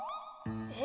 え？